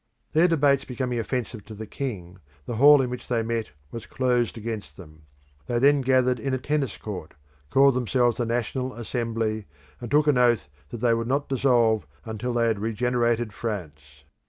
Their debates becoming offensive to the king, the hall in which they met was closed against them. They then gathered in a tennis court, called themselves the National Assembly, and took an oath that they would not dissolve until they had regenerated France.